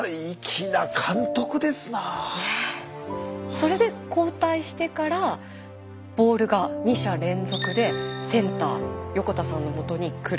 それで交代してからボールが２者連続でセンター横田さんの元にくる。